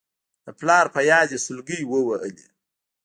د پلار په ياد يې سلګۍ ووهلې.